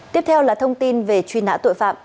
tiếp theo là thông tin về truy nã tội phạm